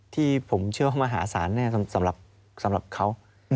ที่ผมเชื่อว่ามหาศาลแน่สำหรับเขา